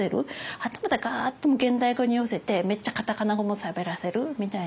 はたまたガッともう現代語に寄せてめっちゃカタカナ語もしゃべらせるみたいな。